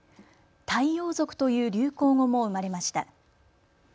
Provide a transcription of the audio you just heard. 太陽族という流行語も生まれました。